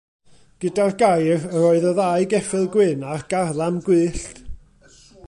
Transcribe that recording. Gyda'r gair yr oedd y ddau geffyl gwyn ar garlam gwyllt.